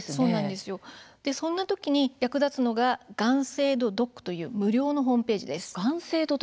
そんな時に役立つのががん制度ドックという無料のホームページです。